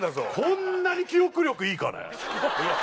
こんなに記憶力いいかね。